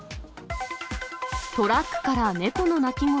トラックから猫の鳴き声。